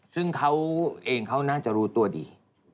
ซึ่งเขาเองเขาน่าจะรู้ตัวดี